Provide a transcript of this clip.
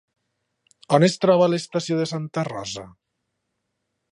On es troba l'estació de Santa Rosa?